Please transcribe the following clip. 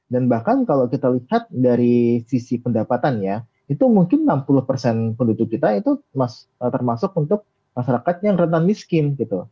dan bahkan kalau kita lihat dari sisi pendapatannya itu mungkin enam puluh penduduk kita itu termasuk untuk masyarakat yang rentan miskin gitu